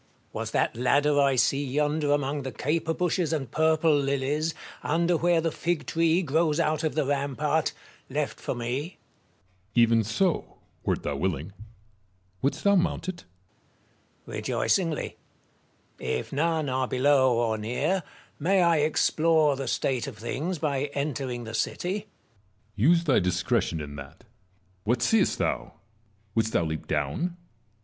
Marizts. Was that ladder I see yonder among the caper bushes and purple lilies, under where the fig tree grows out of the rampart, left for me ? Metellus. Even so, wert thou willing. Wouldst thou mount it 1 Marius. Rejoicingly. If none are below or near, may I explore the state of things by entering the city ? Metellus. Use thy discretion in that. What seest thou ? Wouldst thou leap down